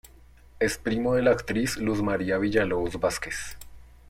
Es primo de la actriz Luz Maria Villalobos Vazquez.